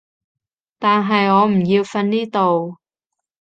但係我唔要瞓呢度